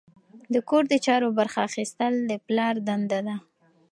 د کور د چارو برخه اخیستل د پلار دنده ده.